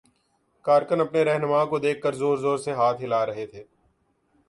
کارکن اپنے راہنما کو دیکھ کر زور زور سے ہاتھ ہلا رہے تھے۔